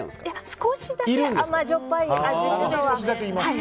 少しだけ甘じょっぱい味は。